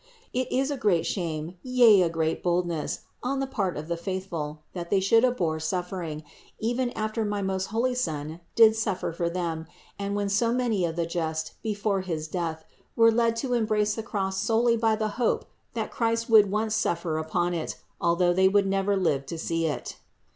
It is a great shame, yea a great boldness, on the part of the faithful, that they should abhor suffering, even after my most holy Son did suffer for them and when so many of the just before his Death were led to embrace the cross solely by the hope that Christ would once suffer upon it, although they would never live to see it.